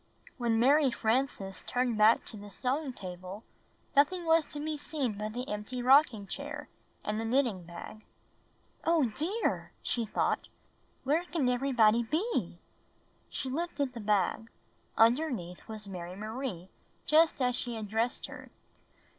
When Mary Frances turned back to the sewing table nothing was to be seen but the empty rocking chair and the knitting bag. " Oh, dear," she thought, "where can everybody be?" She lifted the bag. Underneath was Mary Marie just as she had dressed her.